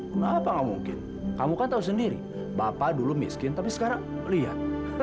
kenapa gak mungkin kamu kan tahu sendiri bapak dulu miskin tapi sekarang lihat